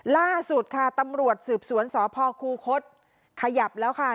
ล่าสุดค่ะตำรวจสืบสวนสพคูคศขยับแล้วค่ะ